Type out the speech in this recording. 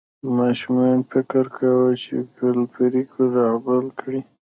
ماشومان فکر کاوه چې فلیریک رغبل کړي.